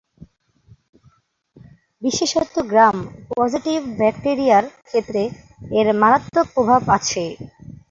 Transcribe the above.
বিশেষত গ্রাম-পজিটিভ ব্যাকটেরিয়ার ক্ষেত্রে এর মারাত্মক প্রভাব আছে।